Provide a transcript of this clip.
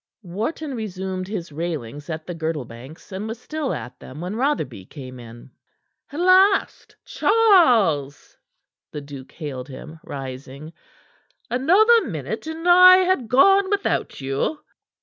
Wharton resumed his railings at the Girdlebanks, and was still at them when Rotherby came in. "At last, Charles!" the duke hailed him, rising. "Another minute, and I had gone without you."